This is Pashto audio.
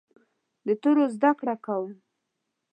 د تورو زده کړه کوم.